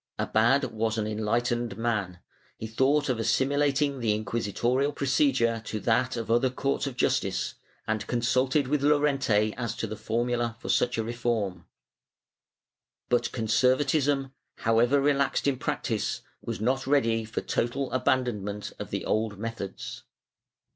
Akad was an enlightened man; he thought of assimi lating the inquisitorial procedure to that of other courts of justice, and consulted with Llorente as to the formula for such a reform, but conservatism, however relaxed in practice, was not ready for total abandonment of the old methods.